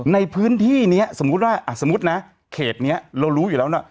ในพื้นที่นี้สมมุติว่าสมมุตินะเขตนี้เรารู้อยู่แล้วนะ